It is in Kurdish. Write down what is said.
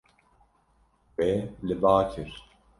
Wê li ba kir.